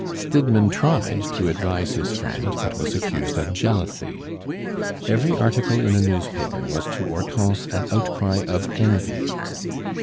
Stidmann tried to advise his friend, but was accused of jealousy. Every article in a newspaper was to Hortense an outcry of envy.